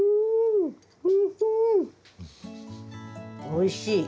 おいしい。